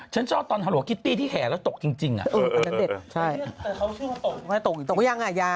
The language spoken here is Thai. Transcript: ฉันชอบตอนฮาโหล่ากิตตี้ที่แห่เราตกจริงอะ